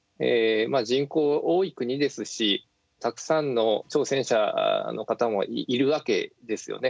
人口、多い国ですしたくさんの挑戦者の方もいるわけですよね。